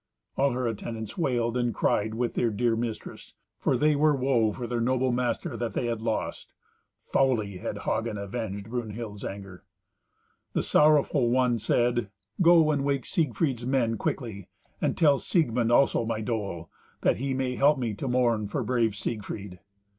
All her attendants wailed and cried with their dear mistress, for they were woe for their noble master that they had lost. Foully had Hagen avenged Brunhild's anger. The sorrowful one said, "Go and wake Siegfried's men quickly; and tell Siegmund also my dole, that he may help me to mourn for brave Siegfried."